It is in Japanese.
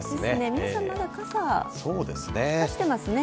皆さん、まだ傘差してますね。